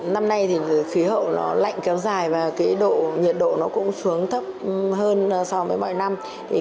năm nay thì khí hậu nó lạnh kéo dài và độ nhiệt độ nó cũng xuống thấp hơn so với mọi năm